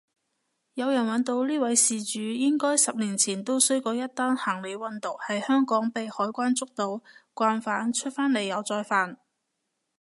有人搵到呢位事主應該十年前都衰過一單行李運毒喺香港被海關周到，慣犯出返嚟又再犯